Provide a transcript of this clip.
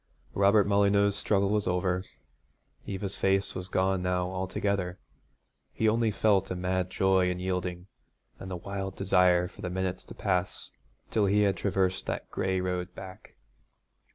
Robert Molyneux's struggle was over. Eva's face was gone now altogether. He only felt a mad joy in yielding, and a wild desire for the minutes to pass till he had traversed that gray road back.